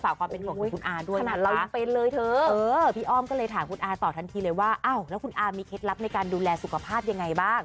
ฝากความเป็นห่วงของคุณอาด้วยนะคะพี่อ้อมก็เลยถามคุณอาต่อทันทีเลยว่าอ้าวแล้วคุณอามีเคล็ดลับในการดูแลสุขภาพยังไงบ้าง